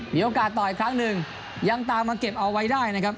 มีโอกาสต่ออีกครั้งหนึ่งยังตามมาเก็บเอาไว้ได้นะครับ